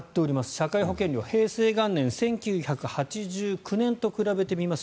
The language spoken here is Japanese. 社会保険料、平成元年１９８９年と比べてみます。